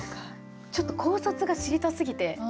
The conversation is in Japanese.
ちょっと考察が知りたすぎて。